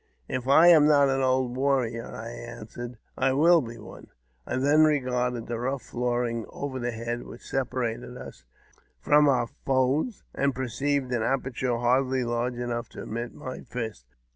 " If I am not an old warrior," I answered, " I will be one I then regarded the rough flooring over head, which separated us from our foes, and perceived an aperture hardly large enough to admit my fist.